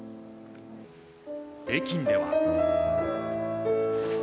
北京では。